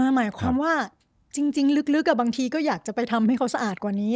หมายความว่าจริงลึกบางทีก็อยากจะไปทำให้เขาสะอาดกว่านี้